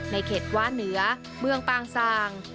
ในเขตว้าเหนือเมืองปางซาง